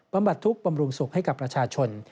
บัดทุกข์บำรุงสุขให้กับประชาชน